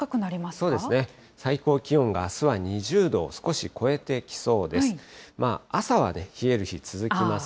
そうですね、最高気温があすは２０度を少し超えてきそうです。